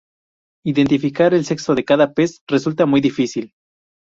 Identificar el sexo de cada pez resulta muy difícil.